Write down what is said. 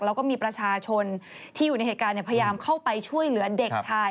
แล้วก็มีประชาชนที่อยู่ในเหตุการณ์พยายามเข้าไปช่วยเหลือเด็กชาย